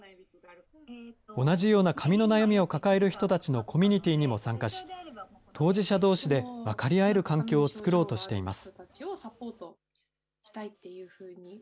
同じような髪の悩みを抱える人たちのコミュニティにも参加し、当事者どうしで分かり合える環境を作ろうとしています。